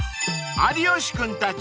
［有吉君たち